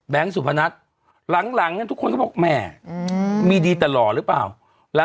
สุพนัทหลังทุกคนก็บอกแหมมีดีแต่หล่อหรือเปล่า